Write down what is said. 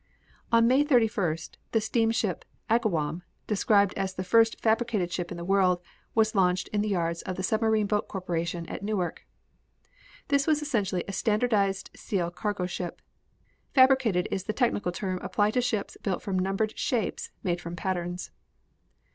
On May 31st the steamship Agawam, described as the first fabricated ship in the world, was launched in the yards of the Submarine Boat Corporation at Newark. This was essentially a standardized steel cargo ship. "Fabricated" is the technical term applied to ships built from numbered shapes made from patterns.